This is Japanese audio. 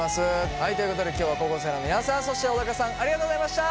はいということで今日は高校生の皆さんそして小高さんありがとうございました。